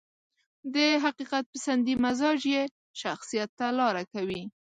د حقيقت پسندي مزاج يې شخصيت ته لاره کوي.